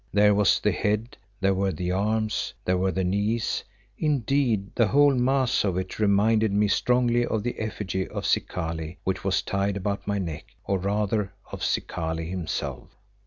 There was the head, there were the arms, there were the knees. Indeed, the whole mass of it reminded me strongly of the effigy of Zikali which was tied about my neck, or rather of Zikali himself.